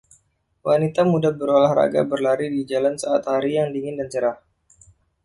Wanita muda berolahraga berlari di jalan saat hari yang dingin dan cerah